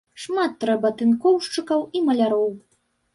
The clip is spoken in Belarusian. Шмат трэба тынкоўшчыкаў і маляроў.